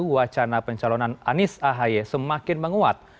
wacana pencalonan anies ahy semakin menguat